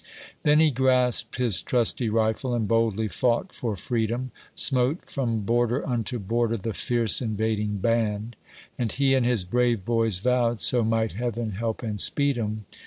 Then he grasped his trusty rifle, and boldly fought for Free dom ; Smote from border unto border the fierce invading band ; And he and his brave boys vowed — so might Heaven help and speed 'em